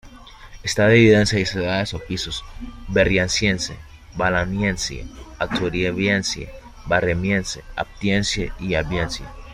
Está dividida en seis edades o pisos: Berriasiense, Valanginiense, Hauteriviense, Barremiense, Aptiense y Albiense.